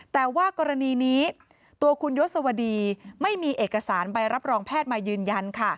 แต่ว่ากรณีนี้ตัวคุณยศวดีไม่มีเอกสารใบรับรองแพทย์มายืนยันค่ะ